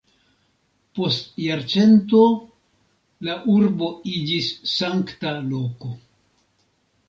Post jarcento la urbo iĝis sankta loko.